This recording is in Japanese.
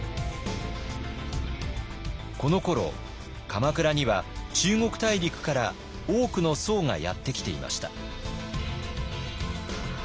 このころ鎌倉には中国大陸から多くの僧がやって来ていました。